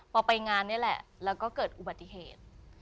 พอไปงานนี่แหละแล้วก็เกิดอุบัติเหตุ